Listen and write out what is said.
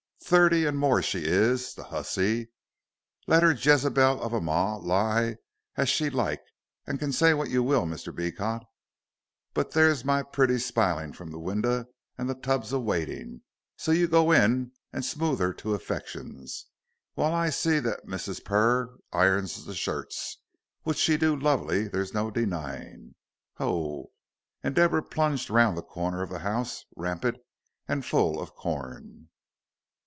Thirty and more she is, the hussey, let her Jezebel of a mar lie as she like, an' can say what you will, Mr. Beecot. But there's my pretty smilin' from the winder and the tub's a waitin'; so you go in and smooth 'er to affections, while I see that Mrs. Purr irons the shirts, which she do lovely there's no denyin'. Hoh!" and Deborah plunged round the corner of the house, rampant and full of corn.